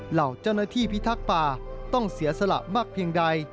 เหล่าเจ้าหน้าที่พิทักษ์ป่าต้องเสียสละมากเพียงใด